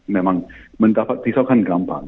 memang mendapat pisau kan gampang